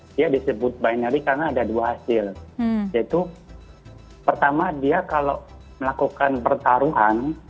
dia disebut binary karena ada dua hasil yaitu pertama dia kalau melakukan pertaruhan